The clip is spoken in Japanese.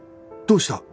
どうした？